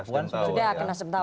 sudah kena sebut